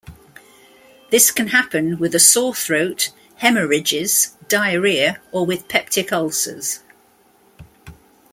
This can happen with a sore throat, hemorrhages, diarrhea, or with peptic ulcers.